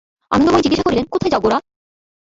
আনন্দময়ী জিজ্ঞাসা করিলেন, কোথায় যাও গোরা?